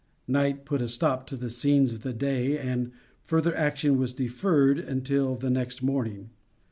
Night put a stop to the scenes of the day and further action was deferred until the next morning.